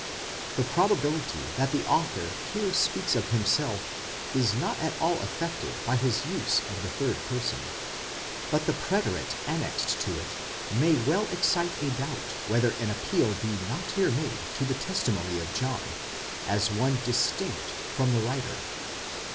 The probability that the author here speaks of himself is not at all affected by his use of the third person; but the preterite annexed to it may well excite a doubt whether an appeal be not here made to the testimony of John, as one distinct from the writer.